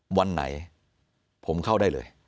หลักหน่อยผมเข้าได้เลย